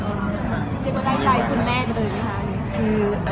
เป็นประใจใจคุณแม่เลยไหมคะ